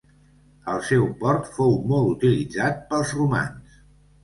El seu port fou molt utilitzat pels romans.